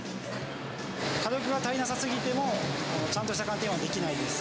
火力が足らなさすぎても、ちゃんとした寒天はできないです。